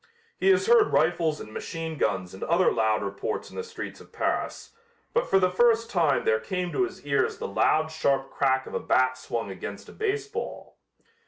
He has heard rifles and machine guns and other loud reports in the streets of Paris, but for the first time there came to his ears the loud sharp crack of a bat swung against a baseball.